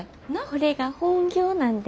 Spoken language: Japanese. これが本業なんで。